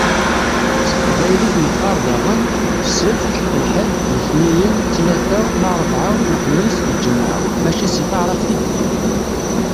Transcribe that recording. S teqbaylit neqqaṛ daɣen: Sebt, lḥed, letniyen, ttlata, larbɛa, lexmis, lǧemɛa. Maca si taɛrabt i d-kkan.